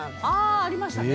ありましたね。